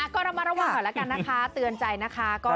ก็ระมัดระวังหน่อยแล้วกันนะคะเตือนใจนะคะ